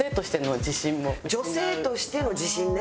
女性としての自信ね。